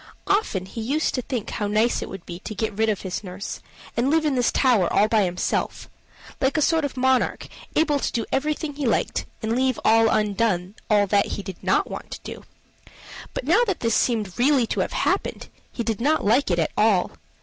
Often he used to think how nice it would be to get rid of his nurse and live in this tower all by himself like a sort of monarch able to do everything he liked, and leave undone all that he did not want to do; but now that this seemed really to have happened, he did not like it at all.